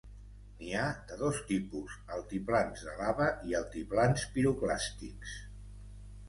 N'hi ha de dos tipus: altiplans de lava i altiplans piroclàstics.